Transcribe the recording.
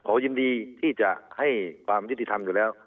ยินดีที่จะให้ความยุติธรรมอยู่แล้ว